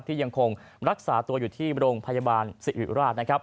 ที่ยังคงรักษาตัวอยู่ที่บริโรงพยาบาลศิริราช